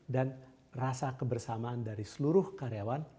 dan rasa kebersamaan dari seluruh karyawan